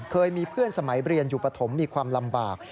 เคยมีเพื่อนสมัยเรียนอยู่ปฐมมีความลำบาก